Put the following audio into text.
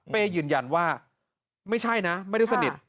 ยืนยันว่าไม่ใช่นะไม่ได้สนิท